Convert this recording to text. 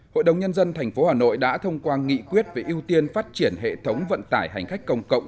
hội đồng nhân dân tp hà nội đã thông qua nghị quyết về ưu tiên phát triển hệ thống vận tải hành khách công cộng